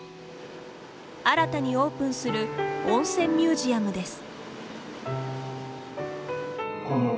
新たにオープンする温泉ミュージアムです。